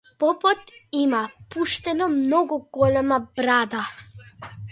Попот има пуштено многу голема брада.